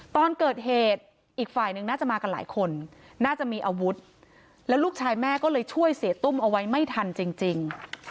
ตอนเกิดเหตุอีกฝ่ายหนึ่งน่าจะมากันหลายคนน่าจะมีอาวุธแล้วลูกชายแม่ก็เลยช่วยเสียตุ้มเอาไว้ไม่ทันจริง